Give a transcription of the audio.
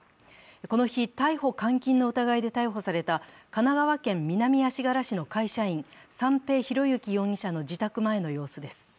この日逮捕監禁の疑いで逮捕された神奈川県南足柄市の会社員、三瓶博幸容疑者の自宅前の様子です。